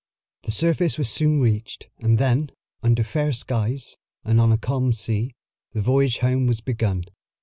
The surface was soon reached, and then, under fair skies, and on a calm sea, the voyage home was begun.